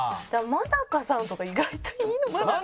真中さんとか意外といいのかな？